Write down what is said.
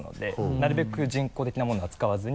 なるべく人工的なものは使わずに。